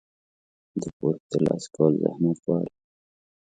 د پوهې ترلاسه کول زحمت غواړي.